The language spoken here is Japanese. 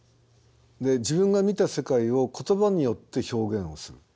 自分が見た世界を言葉によって表現をする。